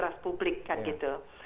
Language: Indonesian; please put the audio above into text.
dan juga publik kan gitu